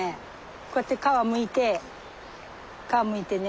こうやって皮むいて皮むいてね